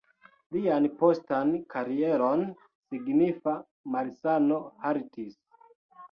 Lian postan karieron signifa malsano haltis.